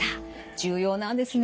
重要なんですね。